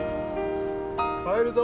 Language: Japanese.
帰るぞ！